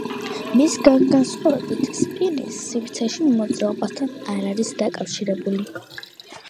მისგან განსხვავებით, სპინი სივრცეში მოძრაობასთან არ არის დაკავშირებული.